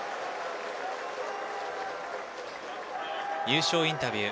優勝インタビュー